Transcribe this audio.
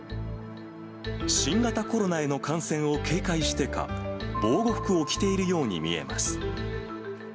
新型コロナへの感染を警戒してか、防護服を着ているように見えます。